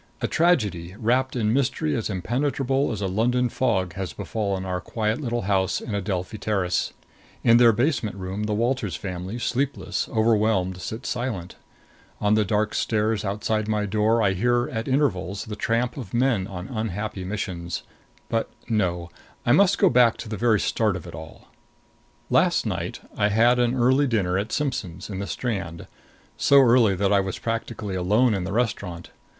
A tragedy, wrapped in mystery as impenetrable as a London fog, has befallen our quiet little house in Adelphi Terrace. In their basement room the Walters family, sleepless, overwhelmed, sit silent; on the dark stairs outside my door I hear at intervals the tramp of men on unhappy missions But no; I must go back to the very start of it all: Last night I had an early dinner at Simpson's, in the Strand so early that I was practically alone in the restaurant.